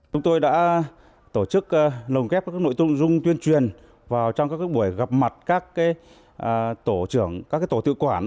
chúng tôi đã tổ chức lồng kép các nội dung tuyên truyền vào trong các buổi gặp mặt các tổ tự quản